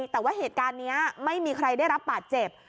แต่ว่าเหตุการณ์นี้ไม่มีใครได้รับบาดเจ็บ